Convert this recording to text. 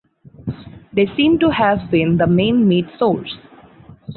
They seem to have been the main meat source.